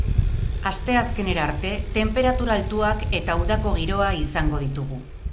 Asteazkenera arte, tenperatura altuak eta udako giroa izango ditugu.